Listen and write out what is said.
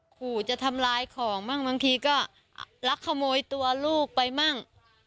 กลัวจะทำร้ายของบ้างบางทีก็ลักขโมยตัวลูกไปบ้าง